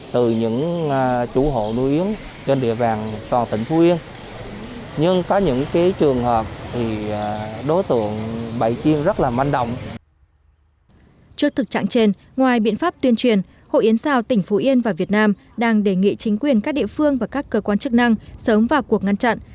trước thực trạng trên ngoài biện pháp tuyên truyền hội yến sao tỉnh phú yên và việt nam đang đề nghị chính quyền các địa phương và các cơ quan chức năng sớm vào cuộc ngăn chặn